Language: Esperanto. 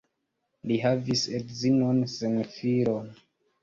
Li havis edzinon sen filo.